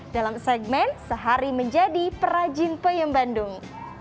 dalam segmen sehari menjadi perajin peyem bandung